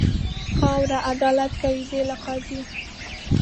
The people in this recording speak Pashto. خاوره عدالت کوي، بې له قاضي.